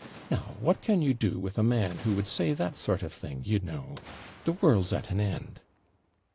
Now what can you do with a man who could say that sort of thing, you know the world's at an end.'